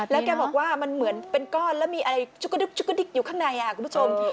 แล้วแกบอกว่ามันเหมือนเป็นก้อนแล้วมีอะไรจุกอยู่ข้างในคุณผู้ชม